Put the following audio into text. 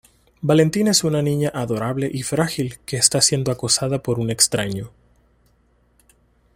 Valentina es una niña adorable y frágil que está siendo acosada por un extraño.